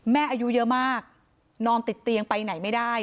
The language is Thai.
อายุเยอะมากนอนติดเตียงไปไหนไม่ได้